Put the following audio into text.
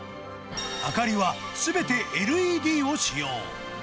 明かりは、すべてＬＥＤを使用。